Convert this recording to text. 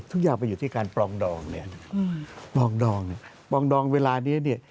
ทุกอย่างมันอยู่ที่การปรองดองปรองดองเวลานี้